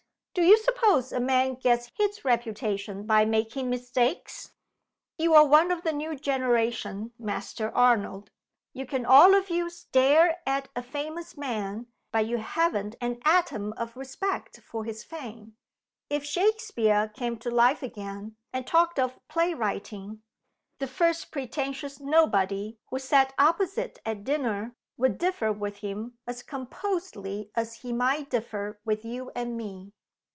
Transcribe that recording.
Do you suppose a man gets his reputation by making mistakes? You're one of the new generation, Master Arnold. You can all of you stare at a famous man; but you haven't an atom of respect for his fame. If Shakspeare came to life again, and talked of playwriting, the first pretentious nobody who sat opposite at dinner would differ with him as composedly as he might differ with you and me.